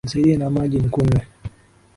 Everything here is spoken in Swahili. Nisaidie na maji nikunywe